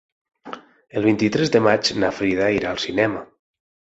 El vint-i-tres de maig na Frida irà al cinema.